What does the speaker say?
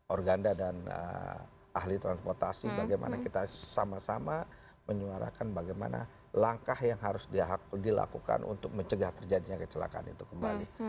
organda dan ahli transportasi bagaimana kita sama sama menyuarakan bagaimana langkah yang harus dilakukan untuk mencegah terjadinya kecelakaan itu kembali